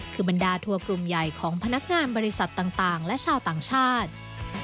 คือบรรดาทัวร์กลุ่มใหญ่ของพนักงานบริษัทต่างและชาวต่างชาติ